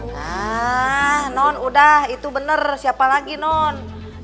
nah non udah itu bener siapa lagi non